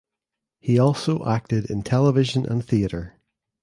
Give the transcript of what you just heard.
He also acted in television and theatre.